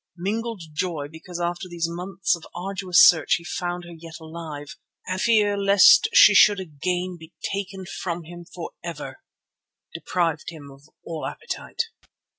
Mingled joy because after these months of arduous search he found her yet alive, and fear lest she should again be taken from him for ever, deprived him of all appetite.